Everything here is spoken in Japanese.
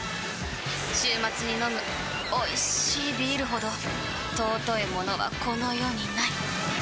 週末に飲むおいしいビールほど尊いものはこの世にない！